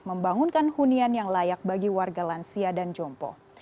membangunkan hunian yang layak bagi warga lansia dan jompo